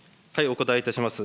お答えいたします。